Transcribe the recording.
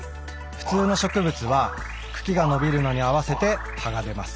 普通の植物は茎が伸びるのに合わせて葉が出ます。